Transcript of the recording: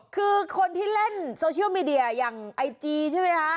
คือคนที่เล่นโซเชียลมีเดียอย่างไอจีใช่ไหมคะ